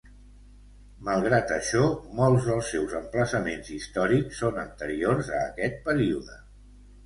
Malgrat això, molts dels seus emplaçaments històrics són anteriors a aquest període.